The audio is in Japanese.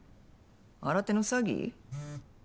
新手の詐欺？